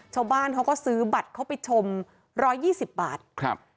ชาวบ้านเขาก็ซื้อบัตรเข้าไปชมร้อยยี่สิบบาทครับ